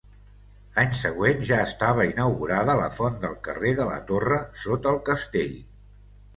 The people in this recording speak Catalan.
L'any següent ja estava inaugurada la font del carrer de la Torre, sota el castell.